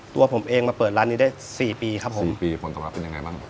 ตัวผมเองมาเปิดร้านนี้ได้สี่ปีครับผมสี่ปีผลตอบรับเป็นยังไงบ้าง